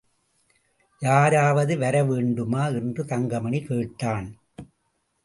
யாராவது வர வேண்டுமா? என்று தங்கமணி கேட்டான்.